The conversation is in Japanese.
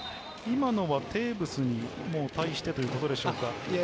今のはテーブスに対してでしょうか。